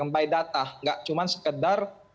kembali data tidak cuma sekedar